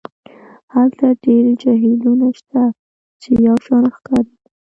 هلته ډیر جهیلونه شته چې یو شان ښکاري